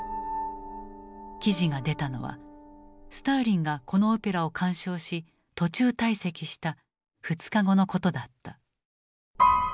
記事が出たのはスターリンがこのオペラを鑑賞し途中退席した２日後のことだった。